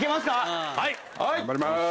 頑張ります。